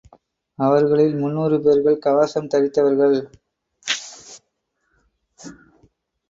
அவர்களில் முந்நூறு பேர்கள் கவசம் தரித்தவர்கள்.